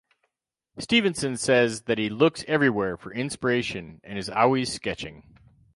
Stephenson says that he looks everywhere for inspiration and is always sketching.